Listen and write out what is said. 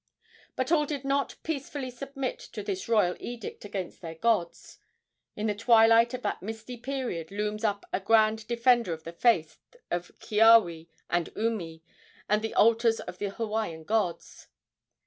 But all did not peacefully submit to this royal edict against their gods. In the twilight of that misty period looms up a grand defender of the faith of Keawe and Umi and the altars of the Hawaiian gods.